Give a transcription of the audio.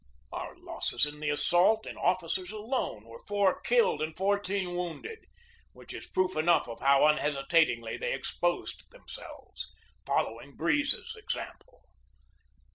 Our losses in the assault in officers alone were four killed and fourteen wounded, which is proof enough of how unhesitatingly they exposed themselves, fol lowing Breeze's example.